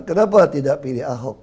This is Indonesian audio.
kenapa tidak pilih ahok